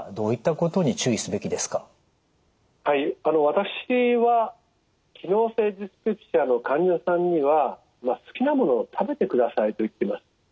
私は機能性ディスペプシアの患者さんには「好きな物を食べてください」と言っています。